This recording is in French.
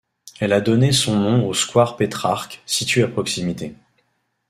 Elle a donné son nom au square Pétrarque, situé à proximité.